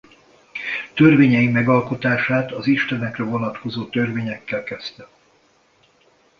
Törvényei megalkotását az istenekre vonatkozó törvényekkel kezdte.